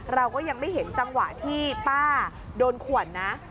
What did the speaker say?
เราก็ยังไม่เห็นจังหวะที่ป้าโดนขวนนะ